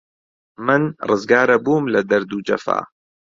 من ڕزگار ئەبووم لە دەرد و جەفا